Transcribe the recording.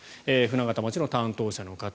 舟形町の担当者の方。